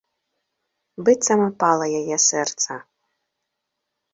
Быццам апала яе сэрца.